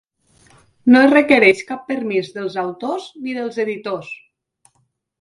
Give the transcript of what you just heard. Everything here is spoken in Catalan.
No es requereix cap permís dels autors ni dels editors.